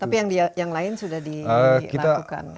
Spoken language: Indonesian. tapi yang lain sudah dilakukan